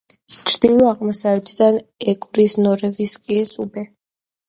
ჩრდილო-აღმოსავლეთიდან ეკვრის ნოვოროსიისკის უბე.